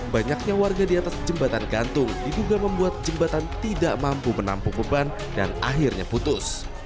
banyaknya warga di atas jembatan gantung diduga membuat jembatan tidak mampu menampung beban dan akhirnya putus